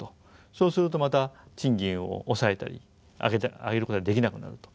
そうするとまた賃金を抑えたり上げることができなくなると。